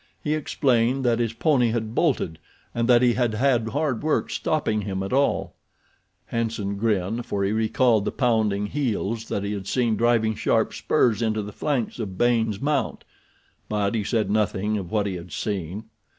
He explained that his pony had bolted and that he had had hard work stopping him at all. Hanson grinned, for he recalled the pounding heels that he had seen driving sharp spurs into the flanks of Baynes' mount; but he said nothing of what he had seen.